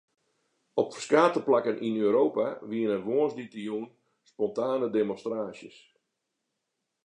Op ferskate plakken yn Europa wiene woansdeitejûn spontane demonstraasjes.